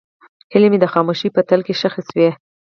هیلې مې د خاموشۍ په تل کې ښخې شوې.